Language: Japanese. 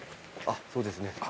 あっそうですね。